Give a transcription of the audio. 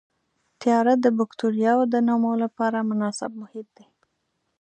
تیاره د بکټریاوو د نمو لپاره مناسب محیط دی.